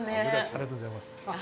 ありがとうございます。